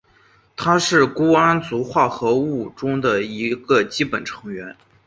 它是钴胺族化合物中的一个基本成员。